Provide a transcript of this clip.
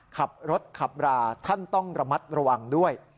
ขับรถขับราท่านต้องระมัดระวังด้วย